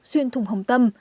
xuyên thùng hồng tâm